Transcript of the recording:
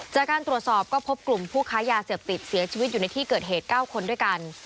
จากการตรวจสอบก็พบกลุ่มผู้ค้ายาเสพติดเสียชีวิตอยู่ในที่เกิดเหตุ๙คนด้วยกัน